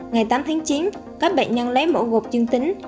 ngày tám tháng chín các bệnh nhân lấy mẫu gộp dương tính